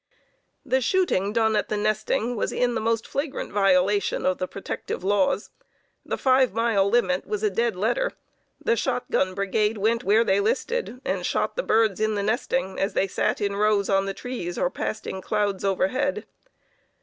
The shooting done at the nesting was in the most flagrant violation of the protective laws. The five mile limit was a dead letter. The shotgun brigade went where they listed, and shot the birds in the nesting as they sat in rows on the trees or passed in clouds overhead.